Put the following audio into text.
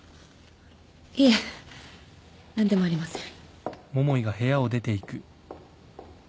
いえ何でもありません。